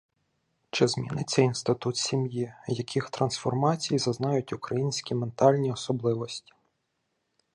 Чи зміниться інститут сім'ї, яких трансформацій зазнають українські ментальні особливості?